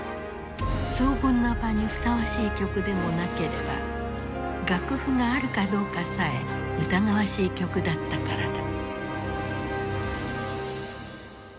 荘厳な場にふさわしい曲でもなければ楽譜があるかどうかさえ疑わしい曲だったからだ。